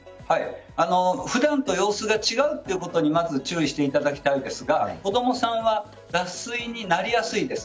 普段と様子が違うということにまず注意していただきたいんですが子供さんは脱水になりやすいです。